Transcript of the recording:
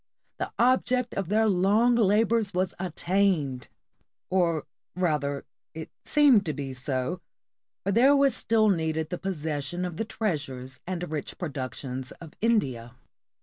The object of their long labors was attained ! Or rather, it seemed to be so, for there was still needed the possession of the treasures and rich productions of India.